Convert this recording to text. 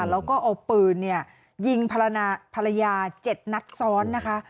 แล้วก็เอาปืนเนี่ยยิงภรรณาภรรยาเจ็ดนัดซ้อนนะคะ